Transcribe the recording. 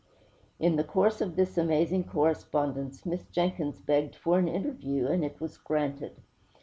In the course of this amazing correspondence, Miss Jenkins begged for an interview, and it was granted.